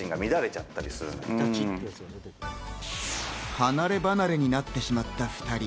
離れ離れになってしまった２人。